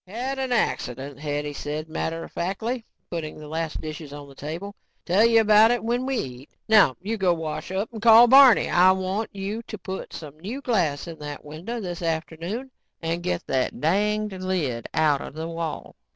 "Had an accident," Hetty said matter of factly, putting the last dishes on the table. "Tell you about it when we eat. Now you go wash up and call Barney. I want you to put some new glass in that window this afternoon and get that danged lid outta the wall."